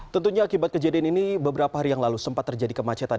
tentunya akibat kejadian ini beberapa hari yang lalu sempat terjadi kemacetan